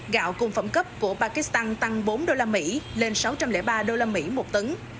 gạo cùng phẩm cấp của pakistan tăng bốn đô la mỹ lên sáu trăm linh ba đô la mỹ một tấn